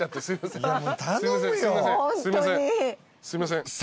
すいません。